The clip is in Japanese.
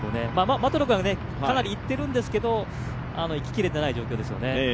的野君はかなりいってるんですけど、いききれてない状況ですよね。